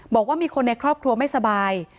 บอกว่ามีคนในครอบครัวไม่สบาย